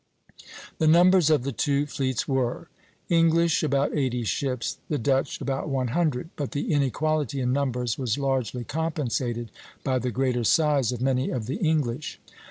The numbers of the two fleets were: English about eighty ships, the Dutch about one hundred; but the inequality in numbers was largely compensated by the greater size of many of the English.